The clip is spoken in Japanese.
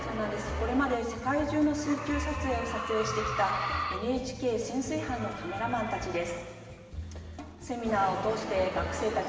これまで世界中の水中撮影を撮影してきたＮＨＫ潜水班のカメラマンたちです。